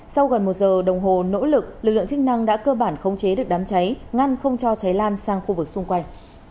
sau gần một giờ đồng hồ nỗ lực lực lượng chức năng đã cơ bản khống chế được đám cháy ngăn không cho cháy lan sang khu vực xung quanh